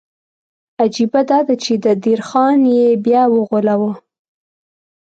عجیبه دا ده چې د دیر خان یې بیا وغولاوه.